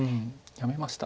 やめました。